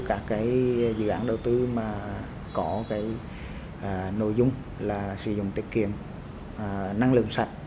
các cái dự án đầu tư mà có cái nội dung là sử dụng tiết kiệm năng lượng sạch